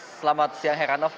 selamat siang heranov